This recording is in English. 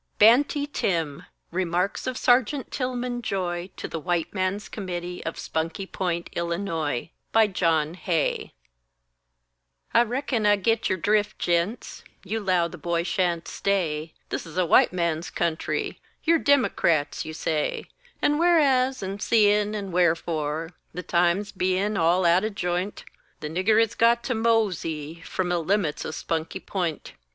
BANTY TIM REMARKS OF SERGEANT TILMON JOY TO THE WHITE MAN'S COMMITTEE OF SPUNKY POINT, ILLINOIS BY JOHN HAY I reckon I git your drift, gents, You 'low the boy sha'n't stay; This is a white man's country; You're Dimocrats, you say; And whereas, and seein', and wherefore, The times bein' all out o' j'int, The nigger has got to mosey From the limits o' Spunky P'int!